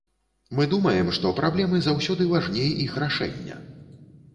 Мы думаем, што праблемы заўсёды важней іх рашэння.